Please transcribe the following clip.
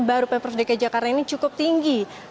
baru pprdk jakarta ini cukup tinggi